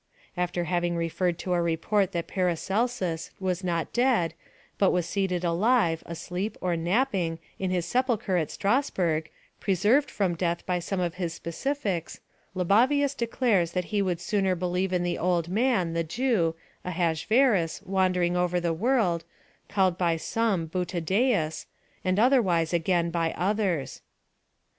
After having referred to a report that Paracelsus was not dead, but was seated alive, asleep or napping, in his sepulchre at Strasburg, preserved from death by some of his specifics, Libavius declares that he would sooner believe in the old man, the Jew, Ahasverus, wandering over the world, called by some Buttadæus, and otherwise, again, by others.